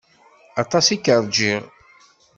Aṭas i k-rjiɣ.